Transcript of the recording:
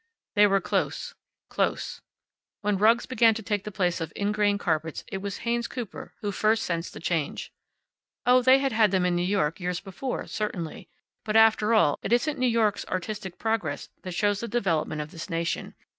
They were close, close. When rugs began to take the place of ingrain carpets it was Haynes Cooper who first sensed the change. Oh, they had had them in New York years before, certainly. But after all, it isn't New York's artistic progress that shows the development of this nation.